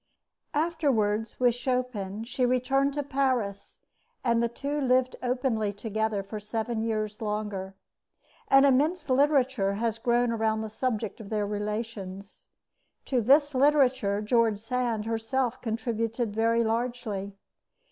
Afterward, with Chopin, she returned to Paris, and the two lived openly together for seven years longer. An immense literature has grown around the subject of their relations. To this literature George Sand herself contributed very largely.